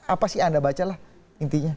apa sih anda baca lah intinya